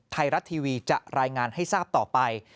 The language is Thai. ไทยรัฐทีวีจะรายงานให้ทราบต่อไป